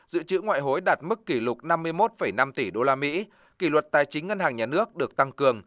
dự trữ ngoại hối đạt mức kỷ lục năm mươi một năm tỷ usd kỷ luật tài chính ngân hàng nhà nước được tăng cường